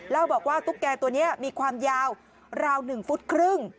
แล้วบอกว่าตุ๊กแก่ตัวนี้มีความยาวราว๑ฟุตครึ่ง